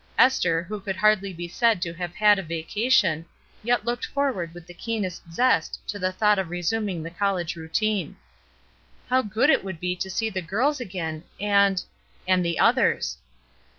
Esther, who could hardly be said to have had a vacation, yet looked forward with the keenest zest to the thought of re suming the college routine. How good it would be to see the girls again, and — and the others!